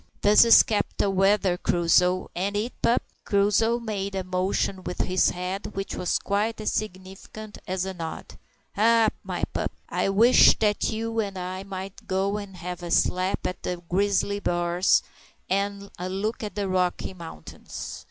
"This is capital weather, Crusoe; ain't it, pup?" Crusoe made a motion with his head which was quite as significant as a nod. "Ha! my pup, I wish that you and I might go and have a slap at the grizzly bars, and a look at the Rocky Mountains.